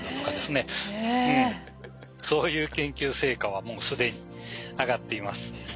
そういう研究成果はもう既に上がっています。